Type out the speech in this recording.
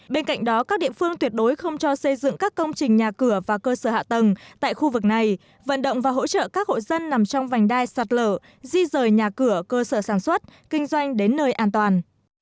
bên cạnh đó các địa phương tuyệt đối không cho xây dựng các công trình nhà cửa và cơ sở hạ tầng tại khu vực này vận động và hỗ trợ các hộ dân nằm trong vành đai sạt lở di rời nhà cửa cơ sở sản xuất kinh doanh đến nơi an toàn